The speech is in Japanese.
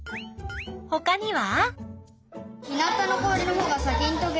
ほかには？